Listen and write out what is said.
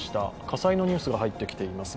火災のニュースが入ってきています。